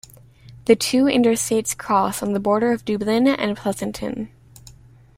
The two interstates cross on the border of Dublin and Pleasanton.